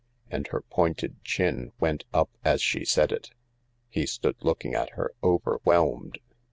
And her pointed chin went up as she said it. He stood looking at her, overwhelmed.